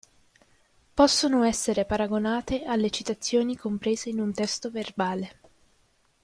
Possono essere paragonate alle citazioni comprese in un testo verbale.